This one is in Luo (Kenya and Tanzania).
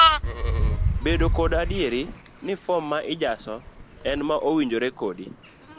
Bed koda adier ni fom ma ijaso en ma owinjore kodi.